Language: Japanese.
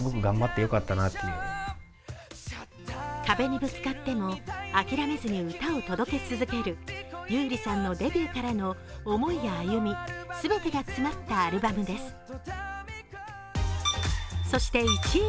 壁にぶつかっても諦めずに歌を届け続ける優里さんのデビューからの思いや歩み、全てが詰まったアルバムです。